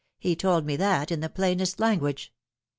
He told me that in the plainest language."